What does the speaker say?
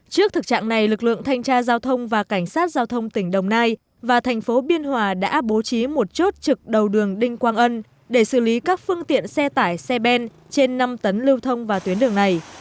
trước thực trạng này lực lượng thanh tra giao thông và cảnh sát giao thông tỉnh đồng nai và thành phố biên hòa đã bố trí một chốt trực đầu đường đinh quang ân để xử lý các phương tiện xe tải xe ben trên năm tấn lưu thông vào tuyến đường này